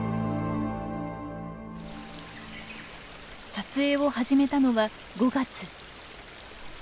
撮影を始めたのは５月。